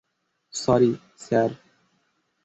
Sorry, sir!